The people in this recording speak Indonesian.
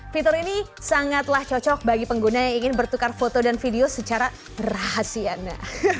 fitur ini sangatlah cocok bagi pengguna yang ingin bertukar foto dan video secara rahasia